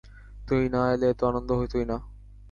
তুই না এলে, এত আনন্দ হতোই না।